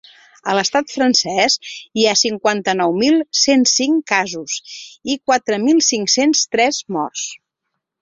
A l’estat francès hi ha cinquanta-nou mil cent cinc casos i quatre mil cinc-cents tres morts.